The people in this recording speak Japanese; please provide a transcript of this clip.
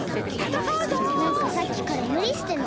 なんかさっきからむりしてない？